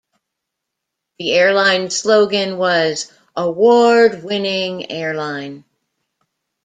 The airline's slogan was "Award-winning airline".